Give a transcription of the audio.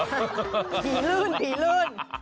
ทิ้งรื่นทิ้ง